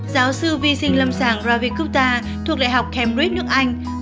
giáo sư vi sinh lâm sàng ravi gupta thuộc đại học cambridge nước anh